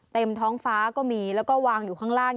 ท้องฟ้าก็มีแล้วก็วางอยู่ข้างล่าง